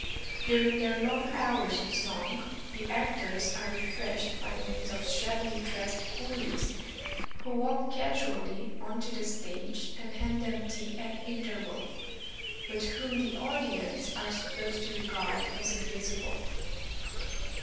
During their long hours of song, the actors are refreshed by means of shabbily dressed coolies, who walk casually on to the stage and hand them tea at intervals, but whom the audience are supposed to regard as invisible.